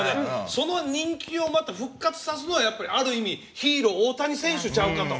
その人気を復活さすのはやっぱり、ある意味ヒーロー大谷選手ちゃうかと。